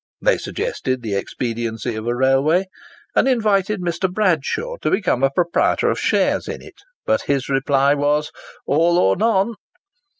They suggested the expediency of a railway, and invited Mr. Bradshaw to become a proprietor of shares in it. But his reply was—"All or none!"